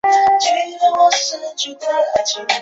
虽然我们吃很慢